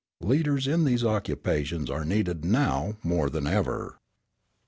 Leaders in these occupations are needed now more than ever.